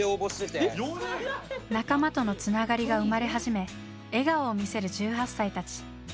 仲間とのつながりが生まれ始め笑顔を見せる１８歳たち。